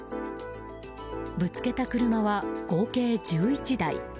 ぶつけた車は、合計１１台。